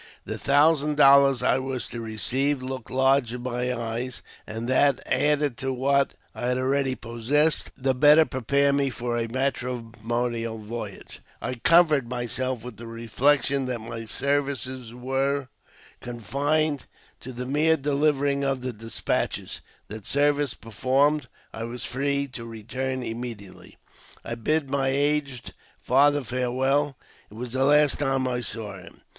The thousand dollars I was to receive looked large in my eyes ; and that, added to what I already possessed, would the better prepare me for a matrimonial voyage. I •comforted myself with the reflection that my services were 92 AUTOBIOGBAPEY OF \ confined to the mere delivering of the despatches ; that servi performed, I was free to return immediately. I bid my aged father farewell — it was the last time I saw him.